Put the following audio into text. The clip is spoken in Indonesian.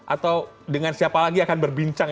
atau dengan siapa lagi akan berbincang